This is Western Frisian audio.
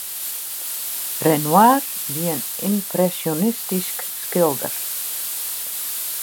Renoir wie in ympresjonistysk skilder.